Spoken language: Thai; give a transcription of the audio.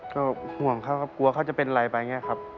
ก็ห่วงเขาครับกลัวเขาจะเป็นอะไรไปอย่างนี้ครับ